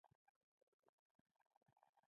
هوډ صیب چې زموږ وطن دار و مجلس پیل کړ.